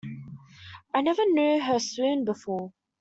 I never knew her swoon before.